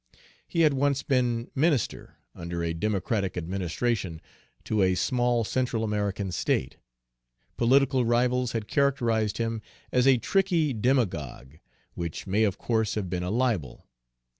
He had once been minister, under a Democratic administration, to a small Central American state. Political rivals had characterized him as a tricky demagogue, which may of course have been a libel.